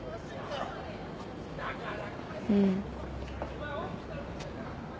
うん。